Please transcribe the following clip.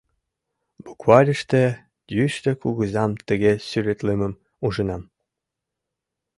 Букварьыште Йӱштӧ Кугызам тыге сӱретлымым ужынам.